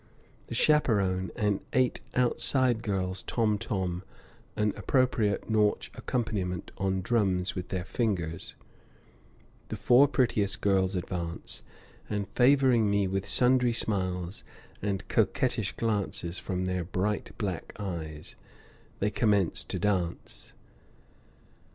The chaperone and eight outside girls tom tom an appropriate Nautch accompaniment on drums with their fingers, the four prettiest girls advance, and favoring me with sundry smiles, and coquettish glances from their bright black eyes, they commence to dance.